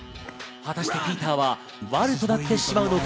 果たしてピーターは悪となってしまうのか。